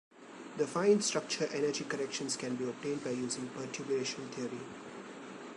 The fine structure energy corrections can be obtained by using perturbation theory.